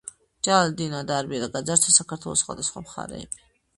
ჯალალედინმა დაარბია და გაძარცვა საქართველოს სხვადასხვა მხარეები.